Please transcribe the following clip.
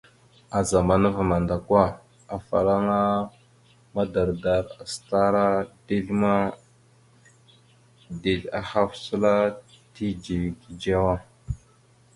A zamana ava mandako, afalaŋa madardar acətara dezl ma, dezl ahaf səla tidze gidzewa.